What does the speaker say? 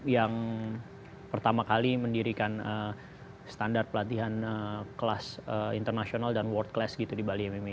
yang pertama kali mendirikan standar pelatihan kelas internasional dan world class gitu di bali mma